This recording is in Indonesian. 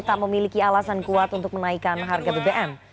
tak memiliki alasan kuat untuk menaikkan harga bbm